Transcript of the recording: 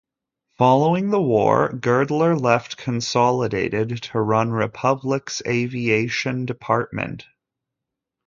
Following the war, Girdler left Consolidated to run Republic's aviation department.